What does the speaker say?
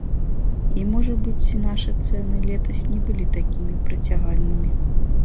І можа быць, нашы цэны летась не былі такімі прыцягальнымі.